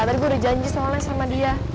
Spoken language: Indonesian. tadi gue udah janji soalnya sama dia